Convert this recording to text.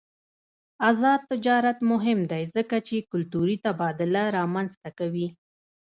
آزاد تجارت مهم دی ځکه چې کلتوري تبادله رامنځته کوي.